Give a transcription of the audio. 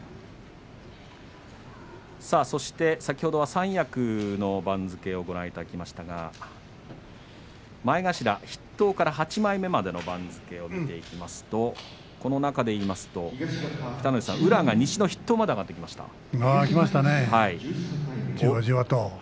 先ほどは三役の番付をご覧いただきましたが前頭筆頭から８枚目までの番付を見ていきますとこの中で言いますと、宇良が西の筆頭まで上がってきました。